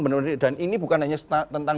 benar benar dan ini bukan hanya tentang